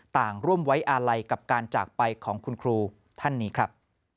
ร่วมไว้อาลัยกับการจากไปของคุณครูท่านนี้ครับ